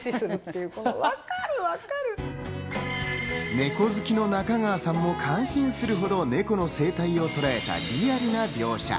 ネコ好きの中川さんも感心するほどネコの生態をとらえたリアルな描写。